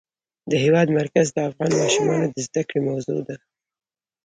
د هېواد مرکز د افغان ماشومانو د زده کړې موضوع ده.